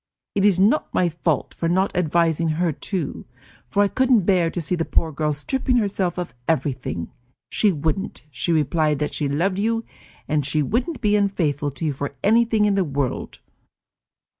It is not my fault for not advising her to, for I couldn't bear to see the poor girl stripping herself of everything. She wouldn't; she replied that she loved you, and she wouldn't be unfaithful to you for anything in the world.